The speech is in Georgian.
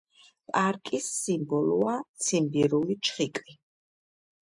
პარკის სიმბოლოა ციმბირული ჩხიკვი.